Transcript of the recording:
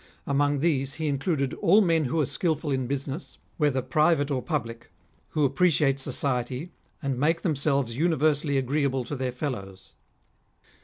Amongj these he included all men who are skilful in business, whether private or public, who appreciate society, and make themselves universally agreeable to their fellows.